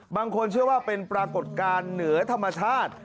บางคนเชื่อว่าเป็นปรากฏการณ์เหนือธรรมชาติ